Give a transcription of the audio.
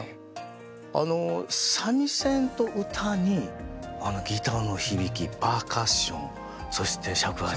三味線と唄にギターの響きパーカッションそして尺八。